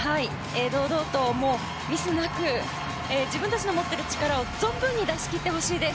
堂々とミスなく自分たちの持ってる力を存分に出し切ってほしいです。